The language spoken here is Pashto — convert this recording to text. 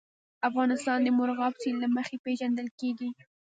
افغانستان د مورغاب سیند له مخې پېژندل کېږي.